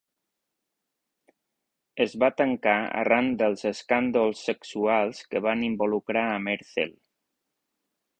Es va tancar arran dels escàndols sexuals que van involucrar a Merzel.